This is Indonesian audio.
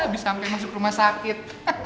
bisa sampe masuk rumah sakit